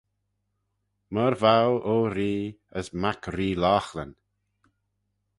Myr v'ou, o ree, as mac Ree Laughlin.